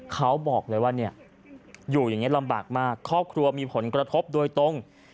เขาบอกเลยว่าอยู่อย่างนี้ลำบากมากครอบครัวมีผลกระทบโดยตรง